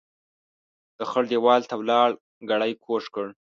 د خړ ديوال ته ولاړ ګړی کوږ کړ.